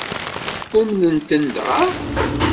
Umnen-ten dɣa?